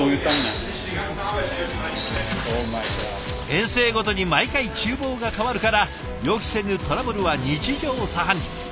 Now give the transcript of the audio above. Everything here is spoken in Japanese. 遠征ごとに毎回ちゅう房が変わるから予期せぬトラブルは日常茶飯事。